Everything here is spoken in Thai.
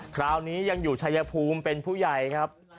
คราวนี้ยังอยู่ชายภูมิเป็นผู้ใหญ่ครับ